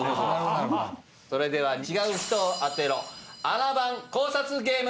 それでは違う人を当てろ『あな番』考察ゲーム。